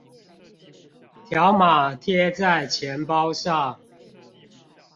條碼貼在錢包上